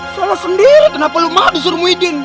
salah sendiri kenapa lo mau disuruh muhyiddin